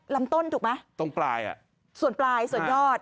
ลำต้นถูกไหมตรงปลายอ่ะส่วนปลายส่วนยอด